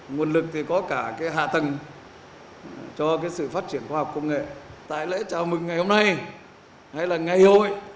nguồn lực thì có cả cái hạ tài